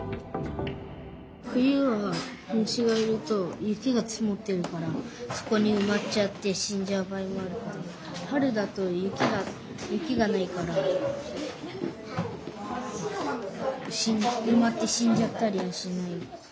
冬は虫がいると雪がつもっているからそこにうまっちゃって死んじゃう場合もあるけど春だと雪がないからうまって死んじゃったりはしない。